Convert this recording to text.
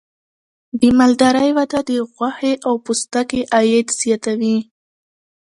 د مالدارۍ وده د غوښې او پوستکي عاید زیاتوي.